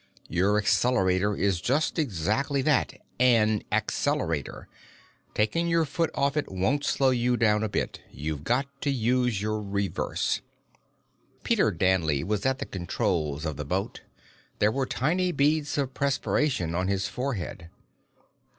Your accelerator is just exactly that an accelerator. Taking your foot off it won't slow you down a bit; you've got to use your reverse." Peter Danley was at the controls of the boat. There were tiny beads of perspiration on his forehead.